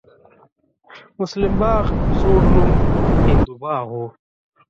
مسلم باغ زوړ نوم هندو باغ و